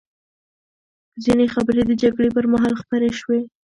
ځینې خبرې د جګړې پر مهال خپرې شوې.